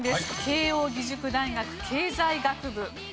慶應義塾大学経済学部。